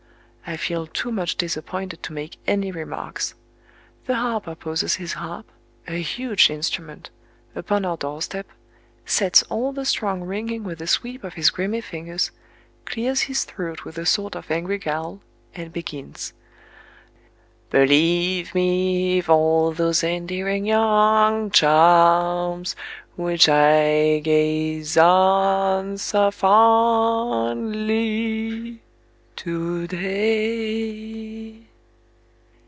I feel too much disappointed to make any remarks. The harper poses his harp—a huge instrument—upon our doorstep, sets all the strong ringing with a sweep of his grimy fingers, clears his throat with a sort of angry growl, and begins,— Believe me, if all those endearing young charms, Which I gaze on so fondly to day...